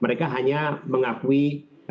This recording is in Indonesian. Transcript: mereka hanya mengakui vaksin vaksin lainnya